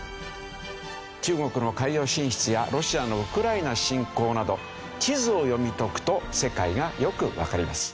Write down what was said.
中国の海洋進出やロシアのウクライナ侵攻など地図を読み解くと世界がよくわかります。